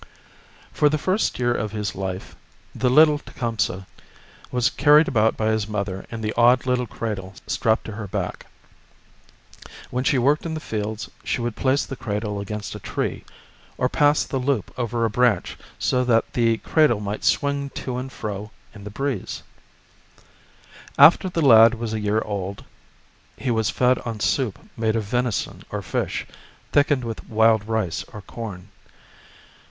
For the first year of his life the little Tecumseh wat 12 The Birth of Tecumseh carried about by his mother in the odd little cradle strapped to her back. When she worked in the fields she would place the cradle against a tree, or pass the loop over a branch so that the cradle might swing to and fro in the breeze. After the little lad was a year old ( he was fed on soup made of venison or fish, thickened with wild rice or corn.